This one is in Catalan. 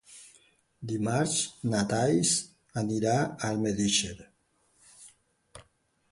Dimarts na Thaís anirà a Almedíxer.